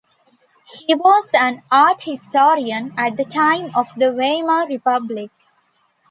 He was an art historian at the time of the Weimar republic.